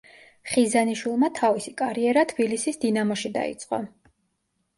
ხიზანიშვილმა თავისი კარიერა თბილისის „დინამოში“ დაიწყო.